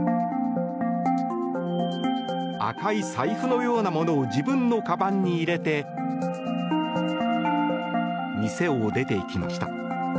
赤い財布のようなものを自分のかばんに入れて店を出ていきました。